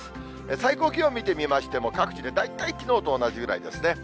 最高気温見てみましても、各地で大体きのうと同じぐらいですね。